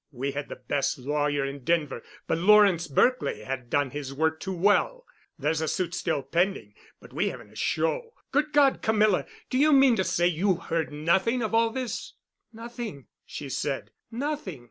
We had the best lawyer in Denver. But Lawrence Berkely had done his work too well. There's a suit still pending, but we haven't a show. Good God, Camilla! do you mean to say you heard nothing of all this?" "Nothing," she said. "Nothing.